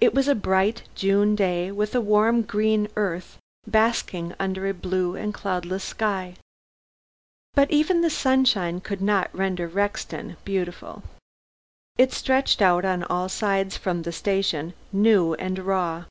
It was a bright June day with a warm green earth basking under a blue and cloudless sky. But even the sunshine could not render Rexton beautiful. It stretched out on all sides from the station new and raw.